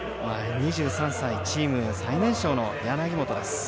２３歳、チーム最年少の柳本です。